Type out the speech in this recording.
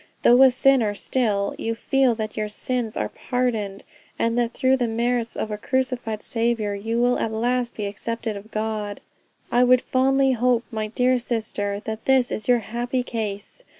Though a sinner still, you feel that your sins are pardoned, and that through the merits of a crucified Saviour you will at last be accepted of God. I would fondly hope, my dear sister, that this is your happy case.